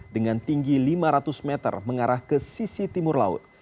dengan tinggi lima ratus meter mengarah ke sisi timur laut